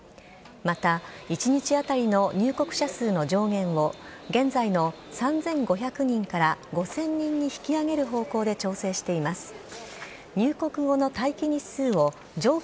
また、１日当たりの入国者数の上限を、現在の３５００人から５０００人に引き上げる方向で調整しています。